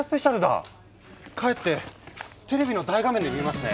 帰ってテレビの大画面で見ますね！